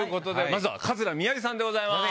まずは桂宮治さんでございます。